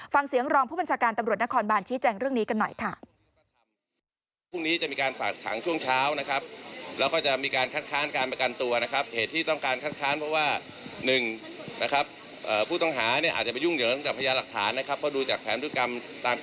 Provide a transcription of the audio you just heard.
ฟังเสียงรองผู้บัญชาการตำรวจนครบานชี้แจงเรื่องนี้กันหน่อยค่ะ